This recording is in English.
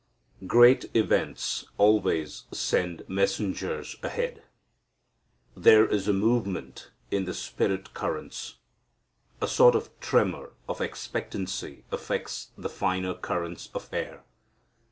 Great events always send messengers ahead. There is a movement in the spirit currents. A sort of tremor of expectancy affects the finer currents of air.